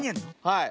はい。